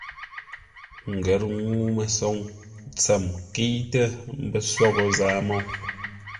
Ngər ŋuu-məsoŋ tsəm nkəitə́ mbə́ soghʼə Zaa-Môu.